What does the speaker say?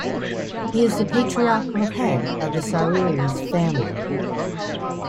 He is the patriarchal head of the Sawiris Family.